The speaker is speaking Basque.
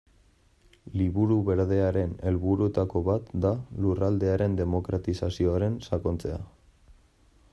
Liburu Berdearen helburuetako bat da lurraldearen demokratizazioan sakontzea.